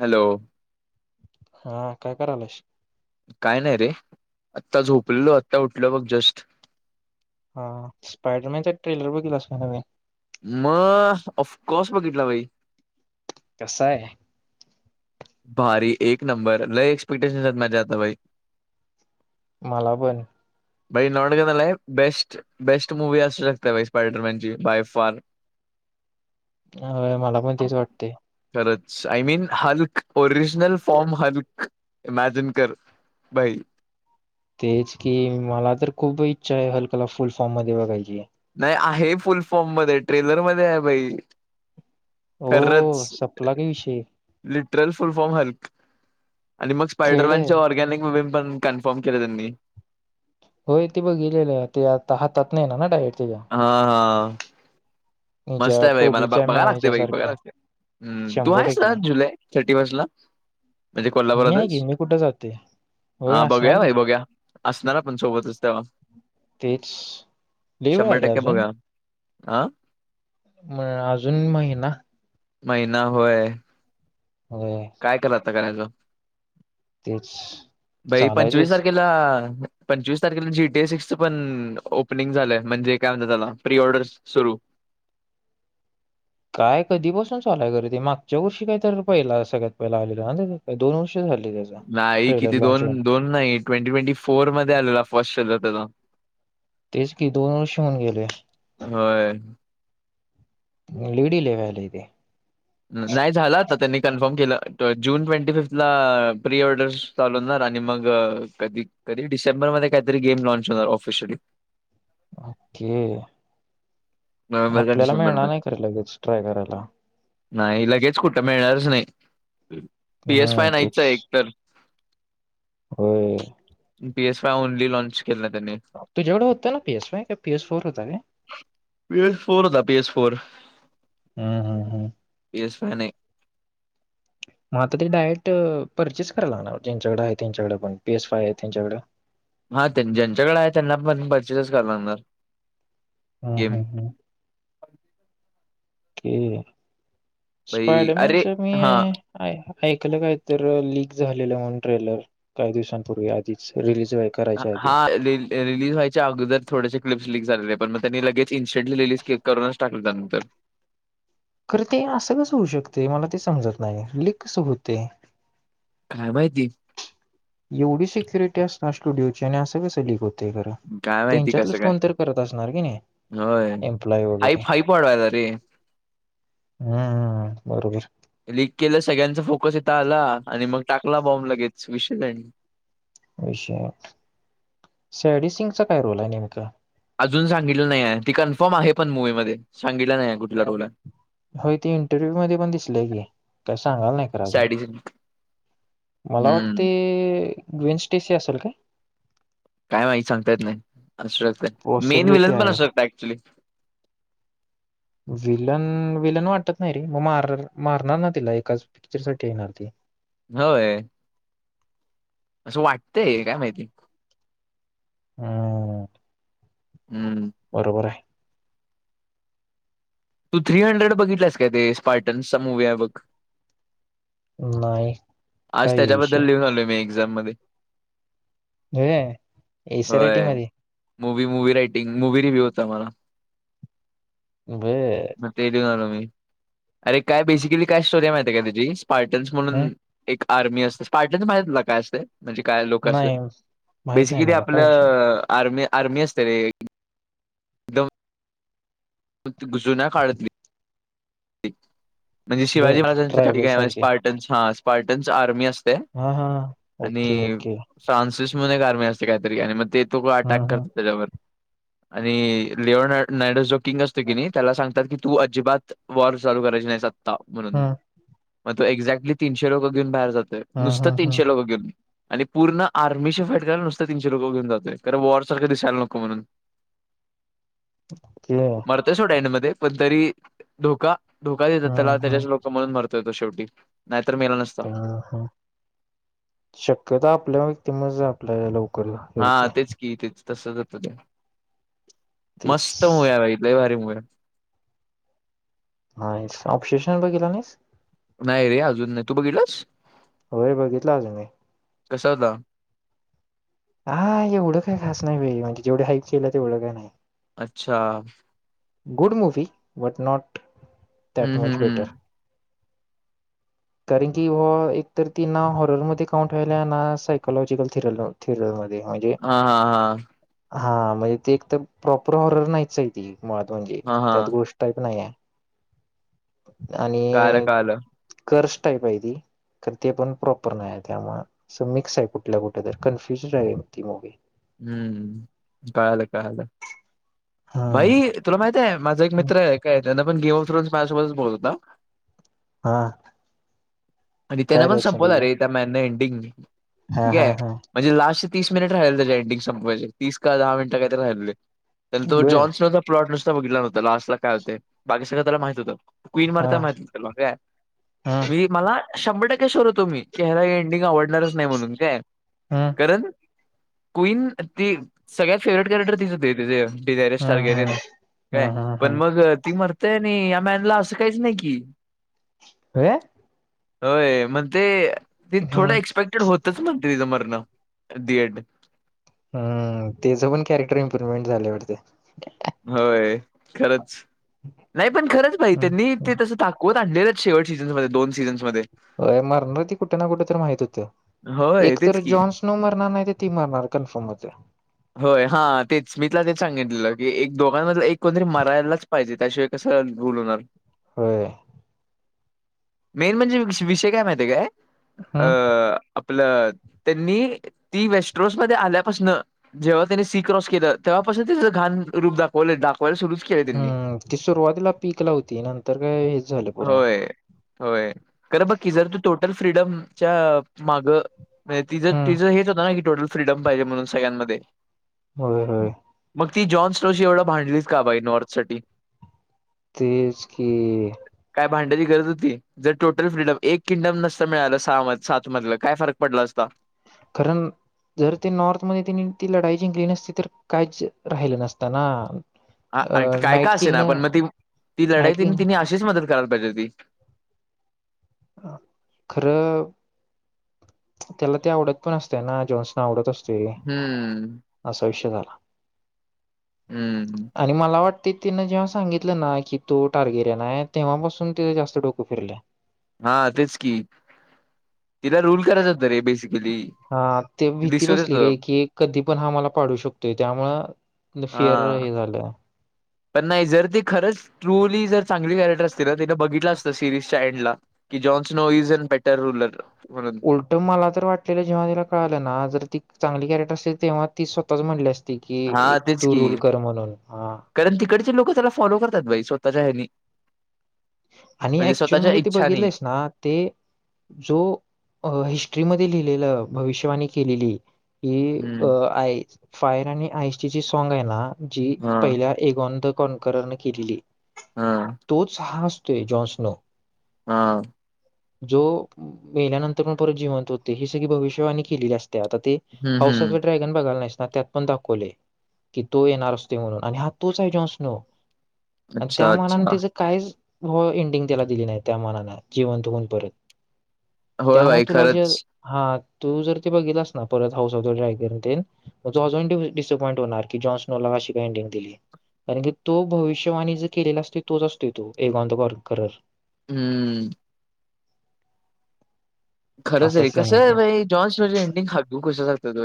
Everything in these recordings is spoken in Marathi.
हॅलो हा काय करालाश? काय नाही रे आत्ता झोपलेलो आता उठल बघ जस्ट हा स्पायडरमॅनचा एक ट्रेलर बघितला काय नवीन मग अ ऑफकोर्स बघितला भाई - कसा य भारी एक नंबर लय एक्सपेक्टेशन मजता भाई मला पण बाई नॉट गदल आहे बेस्ट बेस्ट मुूवी असू शकते बा स्पायडरमॅनची बाय फार - अ मला पण तेच वाटते. खरंच आय मीन हा look original form Hulk imagine कर भाई तेच की मला तर खूप इच्छा आहे हलकला फुल फॉर्म मध्ये बघायची. नाही आहे फुल फॉर्म मध्ये ट्रेलर मध्ये आहे भाई हो खरच सपला की विषय लिटरल फुल फॉर्म हलक आणि मग खेळ स्पायडरमॅनचे आहे. ऑर्गॅनिक विबम पण कन्फर्म केले त्यांनी हो ते बघ गेलेले ते आता हातात नाही ना डायरेक्ट. त्याच्या हा हा. मस्त हिच्या आहे बाई मला टोबीच्या बघाय म्या लागते बाई बघायला ह्याच्यासारख्या लागते. हम्म तू शंभर आहे टक्के सर जुलै थर्टी फर्स्ट ला. म्हणजे मी आहे की कोल्हापुरातच. मी कुठं जाते होय हा असणार बघया की भाई बघया असणार पण सोबतच तेव्हा. तेच लयीत वेळ आहे रे अजून. आ म अजून महिना. महिना होय. होय. करायच तेच भाई पंचवीस चालायचंच तारखेला पंचवीस तारखेला जीटीए सिक्स पण ओपनिंग झालंय म्हणजे काय म्हणत त्याला प्री ऑर्डर सुरू. [inaudible] काय कधी बसून चालाय खरं ते मागच्या वर्षी काय तर पहिला सगळ्यात पहिला आलेलं दोन वर्ष झाली त्याचा नाही ट्रेलर किती लॉन्च दोन होऊन दोन नाही ट्वेंटी ट्वेंटी फोर मध्ये आलेला फर्स्ट त्याचा. तेच की दोन वर्ष होऊन गेले. होय लिडी ललेवाला तेे. न- नाही झाला आता त्यांनी कन्फर्म केलं जून ट्वेंटी फिफ्थ ला प्री ऑर्डरस चालूणार आणि मग कधी कधी डिसेंबरमध्ये काहीतरी गेम लँच होणार ऑफिशयली. अ ओके. नोव्हेंबर का आपल्याला मिळणार डिसेंबरमध्ये नाही खरं लगेच ट्राय करायला. नाही लगेच कुठं मिळणारच नाही पी एस हम्म फाय नाहीच तेच एक तर. होय. P S five only launch तुझ्याकढं होतं ना पीएस फय का पीएस फोर होता काय? पी एस फोर होता पी एस फोर. हम्म हम्म हम्म. पी एस फने नाही. म आता तेरी डायरेट परचेस करा लागणार ज्यांच्याकड आहे त्यांच्याकडे पण पी एस फाय आहे त्यांच्याकडं. हा त्यां ज्यांच्याकडे आहे त्यांना पण परचेसच कर लागणार. हम्म गेम हम्म हम्म. भाई अरे स्पायडरमॅनच मी हा आहे. ऐकलं काय तर लीक झालेलं म्हणून ट्रेलर काही दिवसांपूर्वी आधीच रिलीज करायच्या आधी. हा रिलीज व्हायच्या अगोदर थोडेसे क्लिप्सलीक झालेले पण मग त्यांनी लगेच इन्स्टंटली रिली स् क करूनचं टाकता नंतर. खरं ते असं कसं होऊ शकते मला ते समजत नाही लीख कसं होते. काय माहिती. एवढी सेिक्युरिटी असणार स्टुडिओची आणि असं स अलीक होत. ते काय माहिती त्यांच्यातलंच कसं काय कोणतरी करत असणार की नाही. होय एम्प्लॉय हाई हाई पडवाय ला रे. हम्मम्म बरोबर. लिक केलं सगळ्यांचा फोकस इथ आला आणि मग टाकला बॉम्ब लगेच विशेल. विषय शॅडी सिंगचा काय रोल आहे नेमका. अजून सांगितलं नाही आहे ती कन्फर्म आहे पण मूवी मध्ये सांगितलं नाही आहे कुठेला रोल आहे. होय ते इंटरव्ह्यू मध्ये पण दिसलेय की काय सांगाल नाही खरं अजून. सॅडी मला वाटते हम्म गविनस टीस असेल काय? काय माही सांगता येत नाही असू शकत मेन पॉसिबिलिटी विलन पण आहे. असू शकत ऍक्चुली. विलन विलन वाटत नाही रे मग मार मारणार ना तिला एकाच पिक्चर साठी येणार ती. होय. असं वाटतय, काय माहिती? हम्म. हम्म बरोबर आहे. तू थ्री हंड्रेड बघितलास काय, ते स्पार्टन्सचा मुूवी आहे बघ? नाही. आज काय आहे त्याच्याबद्दल विषय लिहून आलोय मी एक्झाम मध्ये [unintelligible] एसे रायटिंग होय वाणी movie movie writing movie review होता आम्हाला. बर मग ते लिहुन आलो मी, अरे काय बेसिकली काय स्टोरी आहे माहिती आहे का तेझी? पार्टन्स म्हणून हम्म, एक आर्मी असते, पार्टन्स माहितय तुला काय असतय? म्हणजे काय लोक असल, नाही माहित नाही बेसिकली मला काय विषय आपलं आर्मी आर्मी असते रे, एकदम जुन्या काळातली म्हणजे शिवाजी बर ट्रायबल महाराजांच सारखे स्पार्टन्स हा स्पार्टन्स आर्मी असत हा हा ओके आणि ओके फ्रानसिस अजून एक आर्मी असते काहीतरी, आणि मग ते दोघ अटॅक हम्म हम्म करतो त्याच्यामध्ये आणि लिओ नायडस जो किंग असतो की नाही त्याला सांगतात की तू अजिबात वॉर चालू करायची नाही सत्ता, म्हणून मग तो एक्झॅक्टली तीनशे लोक घेऊन बाहेर जातो. हम्म हम्म नुसतं हम्म हम्म. तीनशेला लोग आणि पूर्ण आर्मीशी हारायला नुसतं तीनशे लोक घेऊन जातय, कारण वॉर सारख दिसायला नको म्हणून [inaudible] ओके मरतय सोड एन्ड मध्ये, पण तरी धोका धोका देतात त्याला, हम्म त्याचेच हम्म लोक म्हणून मरतोय तो शेवटी नाही तर शक्यता आपल्या व्यक्तीमध्ये आपल्या लोक हा तेच की तेच तसच होत ते, तेच मस्त मुव्हि आहे लय भारी मुव्हि आहे. [unintelligible] [inaudible] हा येस. ओपसेशन्सला गेला नाहीस? नाही रे अजून नाही तू बघितलास व्हय बघितला आज मी. कसा होता? हा एवढं काही खास नाही [unintelligible] म्हणजे जेवढे हाईड केलं तेवढं काही नाही. अच्छा. Good movie but not that हं, हं, मच बेटर. हं. कारण की व, एकतर ती ना हॉररमध्ये काउंट व्हायल्या, ना सायकोलॉजिकल थिरल थिरल मध्ये हा. हा. हा हा म्हणजे ते एक तर प्रॉपर हॉरर नाहीच आहे ती, मुळात म्हणजे हां, त्यात हां. घोस्ट टाईप नाही आहे. कळालं, आणि कळालं. कर्स टाईप आहे ती. कारण ते पण प्रॉपर नाही, त्यामुळे अस मिक्स आहे कुठल्या कुठे तर कन्फ्युजड आहे, बघ ती मुव्ही हम्म, कळाल कळाल. हा भाई तुला माहित आहे, माझा एक मित्र आहे काय त्यांना पण [unintelligible] माझ्या सोबतच बोल [unintelligible] [inaudible] हा. आणि त्यांन काय पण रिएक्शन संपवला दिली रे त्या मॅन न एंडिंग, हा हा ठीके हा म्हणजे लास्ट तीस मिनिट राहिल त्याच एंडिंग संपवायचे, तीस का दहा मिनट काही तरी राहिलेले आणि तो बर जॉनसन पलॉट नुस बघितला नव्हंता, लास्ट ला काय होते, बाकी सगळ त्याला माहित होतं. क्वीन हा मरते माहित होत त्याला काय, हा मी मला शंभर टक्के शुअर होतो, मी की ह्याला एंडिंग आवडणारच नाही म्हणून काय, हा कारण क्वीन ती सगळ्यात फेवरेट कॅरेक्टर तीच ते हम्म हम्म तिचे [unintelligible] हम्म काय हम्म पण हम्म मग ती मर ते नाही ह्यामॅनला असं काहीच नाही की ह होय मग ते ते हम्म थोडं एक्सपेक्टेड होत तस म्हणते तिच मरन दि एन्ड हम्म त्याचं पण कॅरेक्टर इम्प्रुवमेंट झालय वाटतं होय खरच नाही पण खरंच भाई हम्म त्यांनी ते हम्म. तस दाखवत [unintelligible] शेवट सीझनसमध्ये दोन सीझन् मध्ये. अ मरणार ती कुठे ना कुठे तरी माहित होत. होय एक तेच तर की जॉन्सनो मरणार नाही तर ती मरणार कन्फर्म मते. होय हां तेच मी तिला तेच सांगितलेलं की एक दोघांमध एक कोणतरी मरायलाच पाहिजे त्याशिवाय कस ह बुोलून होय मेन म्हणजे विषय काय माहिती आहे काय हम्म अं आपलं त्यांनी ती वेस्ट रोस मध्ये आल्यापासन. जेव्हा त्यानी सी क्रॉस केलं तेव्हापासून त्याच घाण रूप दाखवलेाखव. हम्म ती सुरुवातीला पीक लावती नंतर काय हेच झालं पुन्हा. होय होय खरं बघकी जर तू टोटल फ्रीडमच्या माग. म्हणजे तिं हम्म. तिझं हेच होतं ना की टोटल फ्रीडम पाहिजे म्हणून सगळ्यांमध्ये. होय होय. मग ती जॉन स्ट्रोशी एवढं भांडलीच का बाई नॉर्थ साठी. तेज की भांड्याची गरज होती जर टोटल फ्रीडम एक किंगडम नसत मिळाला सहा सात मधलं काय फरक पडला असता. कारण जर ते नॉर्थ मध्ये त्यांनी ती लढाई जिंकली नसती तर काहीच राहिलं नसत ना. ह अ काय नाईट काय असे किंग ना न पण मग ती ती लढाय नाईट त किंग तिने अशीच मदत कर. करायला पाहिजे होती अ खरं त्याला ती आवडत पण असत्या ना जॉन्सना आवडत असते हम्म असा विषय झाला. हम्म आणि मला वाट ते तिनं जेव्हा सांगितलं ना की तो टार्गेरिय ना आहे तेव्हापासून तिथ जास्त डोकं फिरलंय. हा तेच की तिला रूल करायचो. हा ते भीती दिसत बसली रे होत की कधी पण हा मला पाडू शकतोय त्यामुळ. फियर हा हे झालंय. पण नाही जर ती खरंच ट्रुली जर चांगली कॅरेक्टर असते ना त्यािने बघितलं असतं सिरीजच्या एंडला. कि Jon Snow is an better ruler. उलट मला तर वाटलेल्या जेवनीला कळालं ना जर ती चांगली कॅरेक्टर असते तेव्हा ती स्वतःच म्हणली असती की हा एक तेच तू की रुल कर म्हणून ह. कारण तिकडचे लोक त्याला फॉलो करतात बाई स्वतःच्या हेनि. आणि ऍक्चुल मध्ये ते इच्छानी बघितलंस ना ते जो हिस्ट्रीमध्ये. भष के हम्म फा सॉग आहे ना जी हा पहिल्या एकगोंद कनकरने केलेली हा तोच हासतोय जॉन्सनो हा जो मेल्यानंतर पण परत जिवंत होते ही सगळी भविष्यवाणी केलेली असते ते आता ते हम्म हाऊसऑफ हम्म द ड्रॅगन बघाला नाही त्यात पण दाखवले की तो येणार असते म्हणून आणि हा तोच आहे जॉन्स नो अच्छा त्या मनाने अच्छा त्याचं काय व एंडिंग त्याला दिली नाही त्या मनान जिवंतऊन परत होय त्यामुळे बाई तुला जे खरंच हा तू जर ते बघलास ना परत हाऊस ्राय करूनन अजून डसअपॉईंट होणार की जॉननोला ंग दि कारण की तो भविष्यवाणी ज केलेला असते तोच असते तो [unintelligible] करल. हम्म असा खरंतरी सीन कसं आहे तो. बा जॉन्स एंडिंग हाब कसं लागत त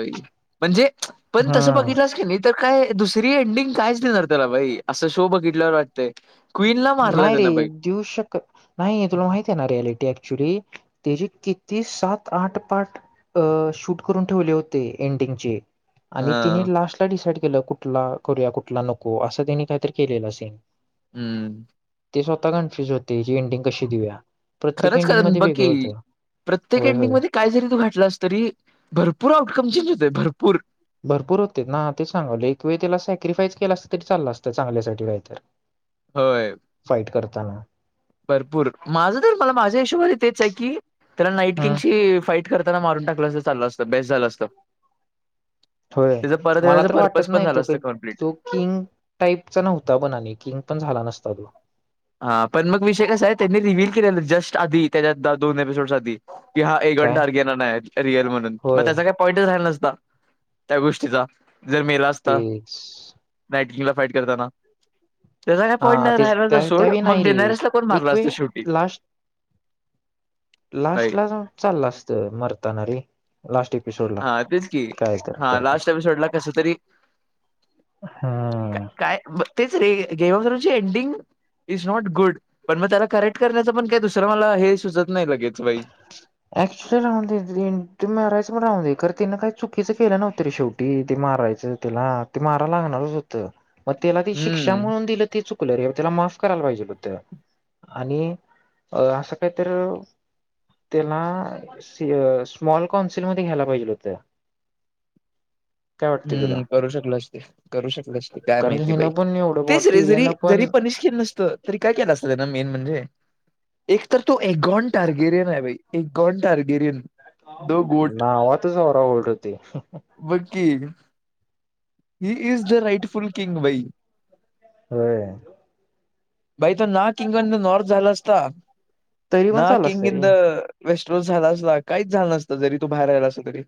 म्हणजे. पण तसं हम्म. बघितलास कणी तर काय दुसर त्री एंडिंग कायच देणार त्याला बाई असं शो बघितल्यावर वाटतंय क्वीनला मारला नाही रे त्यानं बाई देऊ शक नाही तुला माहित आहे ना रियालिटी ऍक्च्युली तेचे किती सात आठ पाठ अ शूट करून ठेवले होते एंडिंगचे आणि तिने हां, लास्टला िसाईड के कुठला करूया कुठला नको असं त्यांनी काहीतरी केलेला सेन हम्म ते स्वतः कन्फ्युज होते जी एंटिंग कशी देऊया प्रत्येक खरंच एंडिंग खर मध्ये वेगळं बाकी होतं प्रत्येक होय होय एंडिंगमध्येध्ये काय जरी तू घाटला अस तरी भरपूर आउटकम चेंज होतय भरपूर भरपूर होते ना ते सांगवलं एक वेळी त्याला सॅक्रिफाईस केलं असत तरी चाललं असतं चांगल्यासाठी काहीत तर होय ताना भरपूर माझं तर मला माझ्या हिशोबाने तेच आहे की त्याला नाईट हम्म किंगची फाईट करताना मारून टाकलं अस चाललं असतं बेस्ट झालं असतं होय त्याचं परत मला येण्याचा तर पर्पज वाटत पण नाही झालं तो असतं काही कंप्लीट. तो किंग टाईपचा नव्हता बनाली किंग पण झाला नसता तो हा पण मग विषय कसा आहे त्यांनी रिव्हहील केलेला जस्ट आधी त्याच्या दोन एपिसोडस आधी कि हा एक घंट काय अर्गेन नाही रियल म्हणून मग होय त्याचा काही पॉईंटच राहिला नसं त्या गोष्टीचा जर मेला असत तेच नाट क त्या हा तेच का त्या त्यावेळी मग नाही रे डिनरस ला कोण मारला एक असत वेळ शेवटी बाई लास्ट ला चालला असत मरतानाे लास्ट एपिसोडला हा तेच कि काय तर हा लास्ट एपिसोड ला कस तरी हा काय तेच रे गेमऑसची एंडिंग इस नॉट गुड पण मग त्याला करेक्ट करण्याचं पण काय दुसरं मला हे सुजत अक्चुली राह तु मरायच राह दे तिनं काही चुकीचं केलं नव्हतरी शेवटी ते मारायचं त्याला ते मारा लागणारच होतं मग त्याला त शिक्षा हम्म म्हणून दिलं ते च कुलर त्याला माफ करायला पाहिजेल होत आणि असं काय तर त्याला स्मॉल काउन्सिलमध्येध्ये घ्यायला पाहिजे होत्या अआआइतत हम्म करू शकलोच ते करू शकलच ते काय कारण की माहिती बाई हिनं पण एवढं तेच रे जरी बॉटीरियानं जरी पण पनिश केलं नसतं तरी काय केलं असतं त्यांना मेन म्हणजे एक तर तो एकगॉन टार्गेरियन आहे बा एक गॉन टार्गेरियन दो गोट नावातच होरा उलट होते बघ की he is the rightful king वई हो बाई त ना किंग नॉर्थ झाला असता तरी पण ना चालू किंग असतं इन रे द वेस्ट झाला अस काहीच झालं नसत जरी तू बाहेरयला अस तरी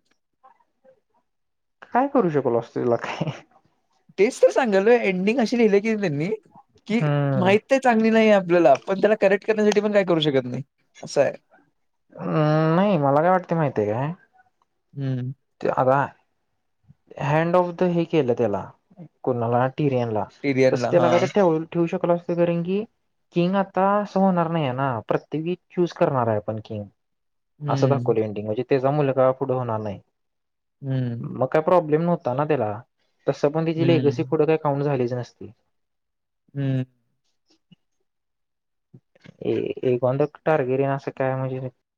काय करू शकल असत तिला काय तेच तर सांगाल एंडिंग अशी लिहिले की त्यांनी कि हम्म माहित ते चांगली नाही आप पण त्याला करेक्ट करण्यासाठी पण काय करू शकत नाही असं आहे हम् नाही मला काय वाटते माहितीय का हम्म आता हँड ऑफ द हे केलं त्याला कणाला टिरियन ला तस टिरियनला ते हा लगाये ठेवू शकल अस करंगी किंग आता असं होणार नाहीय ना प्रत्येकी चूज करणार आहे पण किंग असं हम्म दाखवलं एंडिंग म्हणजे त्याचा मुल का पुढं होणार नाही हम्म मग काय प्रॉब्लेम नव्ह त्याला तस पण तिची हम्म एकस फोटं काही काउंट झालेच नसती हम्म ए एक गंधक टारगिरी न असं काय म्हणजे